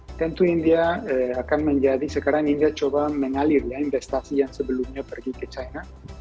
ya tentu india akan menjadi sekarang india coba mengalir ya investasi yang sebelumnya pergi ke china